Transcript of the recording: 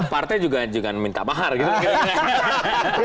partai juga jangan minta bahar gitu